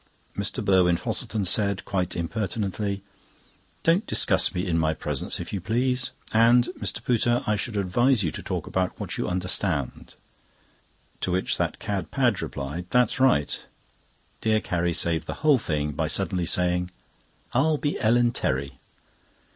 Mr. Burwin Fosselton said quite impertinently: "Don't discuss me in my presence, if you please; and, Mr. Pooter, I should advise you to talk about what you understand;" to which that cad Padge replied: "That's right." Dear Carrie saved the whole thing by suddenly saying: "I'll be Ellen Terry."